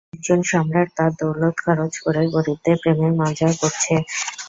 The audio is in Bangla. একজন সম্রাট তার দৌলত খরচ করে, গরীবদের প্রেমের মজা করেছে।